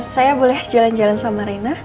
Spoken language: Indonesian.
saya boleh jalan jalan sama rena